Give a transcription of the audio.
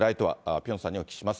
ピョンさんにお聞きします。